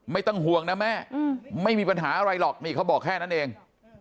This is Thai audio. ไม่ต้องห่วงนะแม่ไม่มีปัญหาอะไรหรอกนี่เขาบอกแค่นั้นเอง